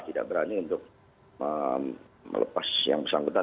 tidak berani untuk melepas yang bersangkutan